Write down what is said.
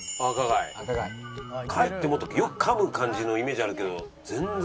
貝ってもっとよくかむ感じのイメージあるけど全然。